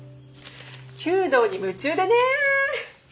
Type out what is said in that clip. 弓道に夢中でね。